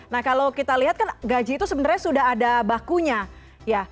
nah kalau kita lihat kan gaji itu sebenarnya sudah ada bakunya ya